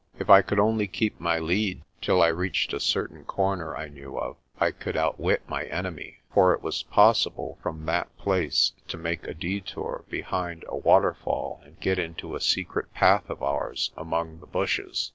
If I could only keep my lead till I reached a certain corner I knew of, I could outwit my enemy; for it was possible from that place to make a detour behind a waterfall and get into a secret path of ours among the bushes.